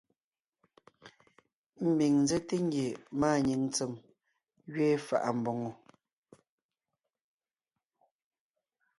Ḿbiŋ ńzέte ngie màanyìŋ ntsém gẅiin fà’a mbòŋo.